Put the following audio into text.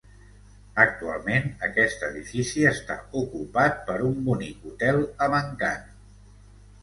Actualment, aquest edifici està ocupat per un bonic hotel amb encant.